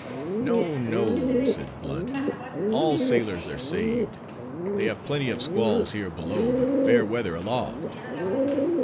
"No, no," said Blunt, "all sailors are saved; they have plenty of squalls here below, but fair weather aloft."